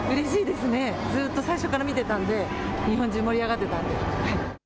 ずっとずっと最初から見ていたので日本中盛り上がっていたので。